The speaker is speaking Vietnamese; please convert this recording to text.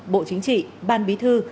bộ chính trị ban bí thư